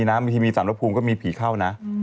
แบ่งนะครือตัวที่มีสามรับพรุงก็มีผีเข้านะ